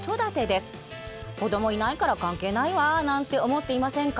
子どもいないから関係ないわなんて思っていませんか？